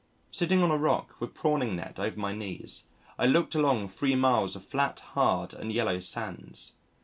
Sitting on a rock, with prawning net over my knees I looked along three miles of flat hard and yellow sands.